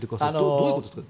どういうことですか。